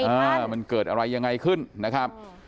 ว่ามันเกิดอะไรยังไงขึ้นนะครับ